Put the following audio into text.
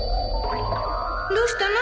どうしたの？